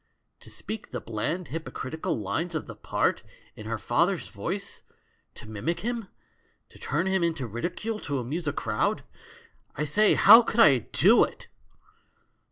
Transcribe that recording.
To speak the bland, hypocritical lines of the part in her father's voice, to mimic him, to turn him into ridicule to amuse a crowd. I say how could I doit?